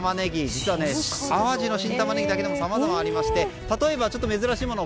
実は淡路の新タマネギだけでもさまざまありまして例えば珍しいもの